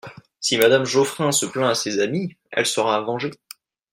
Si Madame Geoffrin se plaint à ses amis, elle sera vengée.